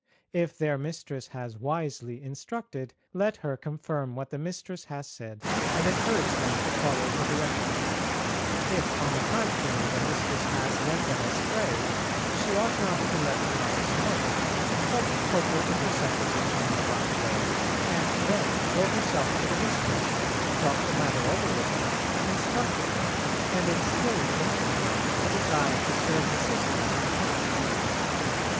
If their Mistress has wisely instructed, let her confirm what the Mistress has said, and encourage them to follow her direction; if, on the contrary, the Mistress has led them astray she ought not to let the novice know it, but put her imperceptibly on the right way, and then go herself to the Mistress, talk the matter over with her, instructing her, and instilling into her a desire to serve the Sisters affectionately.